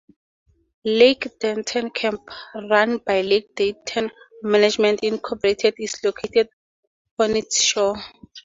Lake Denton Camp, run by Lake Denton Management Incorporated is located on its shore.